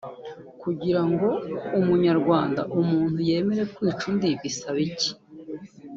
Kugira ngo umunyarwanda/umuntu yemere kwica undi bisaba iki